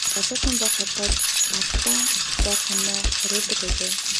Болзоотын бор толгойд долоон бор хонио хариулдаг байжээ.